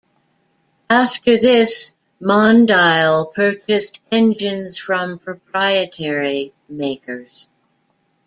After this, Mondial purchased engines from proprietary makers.